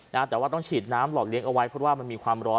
นะฮะแต่ว่าต้องฉีดน้ำหลอดเลี้ยงเอาไว้เพราะว่ามันมีความร้อน